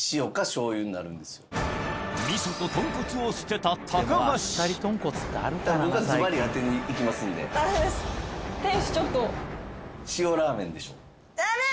みそと豚骨を捨てた高橋店主ちょっと。